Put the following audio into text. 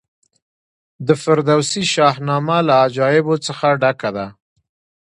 د فردوسي شاهنامه له عجایبو څخه ډکه ده.